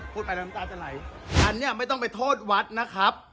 พูดไปแล้วน้ำตาจะไหลอันนี้ไม่ต้องไปโทษวัดนะครับ